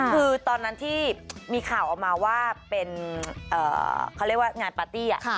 คือตอนนั้นที่มีข่าวออกมาว่าเป็นเขาเรียกว่างานปาร์ตี้